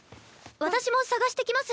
私も探してきます。